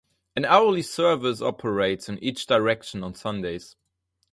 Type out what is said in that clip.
An hourly service operates in each direction on Sundays.